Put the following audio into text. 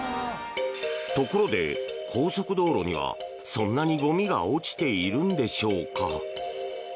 ところで、高速道路にはそんなにゴミが落ちているのでしょうか？